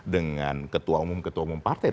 dengan ketua umum ketua umum partai